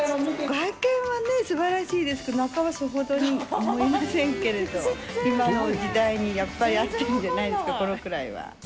外見はね、すばらしいですけど、中はさほどに思いませんけれど、今の時代にやっぱり合ってるんじゃないですか、このぐらいは。